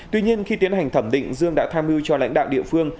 tuy nhiên khi tiến hành thẩm định dương đã tham mưu cho lãnh đạo địa phương